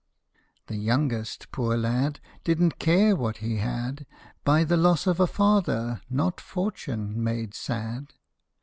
The youngest, poor lad ! didn't care what he had, By the loss of a father, not fortune, made sad.